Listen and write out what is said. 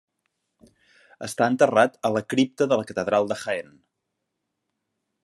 Està enterrat a la cripta de la Catedral de Jaén.